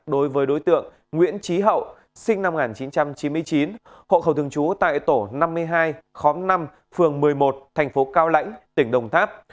đối với đối tượng nguyễn trí hậu sinh năm một nghìn chín trăm chín mươi chín hộ khẩu thường trú tại tổ năm mươi hai khóm năm phường một mươi một thành phố cao lãnh tỉnh đồng tháp